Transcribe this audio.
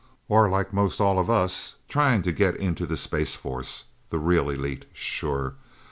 Or like most all of us trying to get into the Space Force. The Real Elite sure.